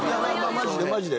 マジでマジで。